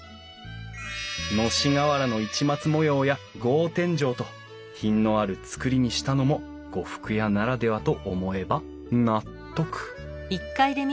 のし瓦の市松模様や格天井と品のある造りにしたのも呉服屋ならではと思えば納得